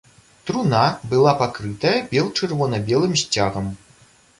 Труна была пакрытая бел-чырвона-белым сцягам.